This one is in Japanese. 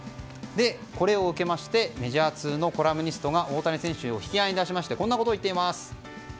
これを受けてメジャー通のコラムニストが大谷選手を引き合いに出してこんなことを言っています。